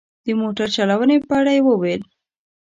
د موټر چلونې په اړه یې وویل.